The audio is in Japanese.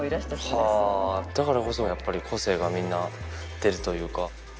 はぁだからこそやっぱり個性がみんな出るというか。